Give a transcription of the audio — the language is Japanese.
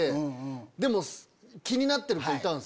でも気になってる子いたんすよ。